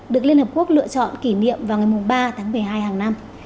được liên hợp quốc lựa chọn kỷ niệm vào ngày ba tháng một mươi hai hàng năm